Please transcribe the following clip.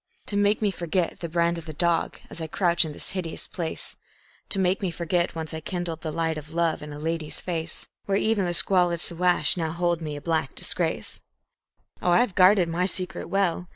To make me forget the brand of the dog, as I crouch in this hideous place; To make me forget once I kindled the light of love in a lady's face, Where even the squalid Siwash now holds me a black disgrace. Oh, I have guarded my secret well!